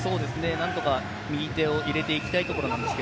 何とか右手を入れていきたいところですが、